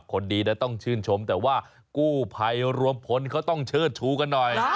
คนดีนะต้องชื่นชมแต่ว่ากู้ภัยรวมพลเขาต้องเชิดชูกันหน่อย